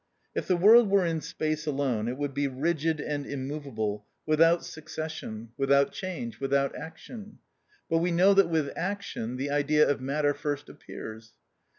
(7) If the world were in space alone, it would be rigid and immovable, without succession, without change, without action; but we know that with action, the idea of matter first appears.